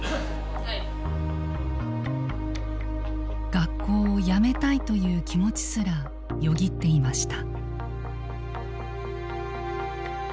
学校をやめたいという気持ちすらよぎっていました。